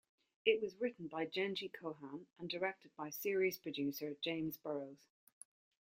It was written by Jenji Kohan and directed by series producer James Burrows.